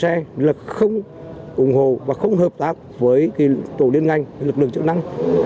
hành khách đi đường trên xe là không ủng hộ và không hợp tác với tổ liên ngành lực lượng chức năng